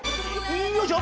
よいしょ！